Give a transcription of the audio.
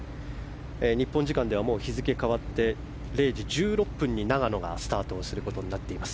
日本時間では日付が変わって０時１６分に長野がスタートすることになっています。